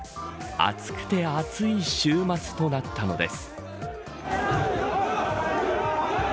熱くて暑い週末となったのです。